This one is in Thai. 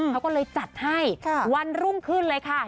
เขาก็เลยจัดให้วันรุ่งขึ้นเลยค่ะ